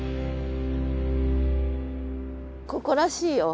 ここらしいよ。